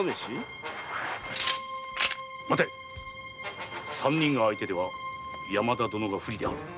待て三人が相手では山田殿が不利であろう。